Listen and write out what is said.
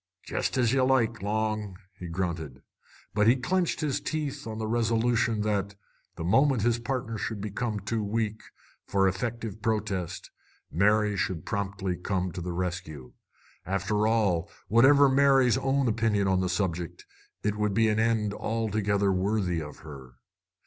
"Jest as ye like, Long!" he grunted. But he clenched his teeth on the resolution that, the moment his partner should become too weak for effective protest, Mary should come promptly to the rescue. After all, whatever Mary's own opinion on the subject, it would be an end altogether worthy of her.